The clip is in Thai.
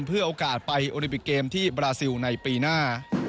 เพื่อโอกาสไปโอลิปิกเกมที่บราซิลในปีหน้า